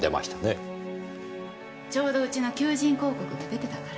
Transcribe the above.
ちょうどうちの求人広告が出てたから。